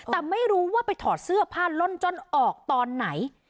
แต่ไม่รู้ว่าไปถอดเสื้อผ้าล่นจ้อนออกตอนไหน